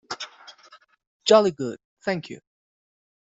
Jolly good, thank you.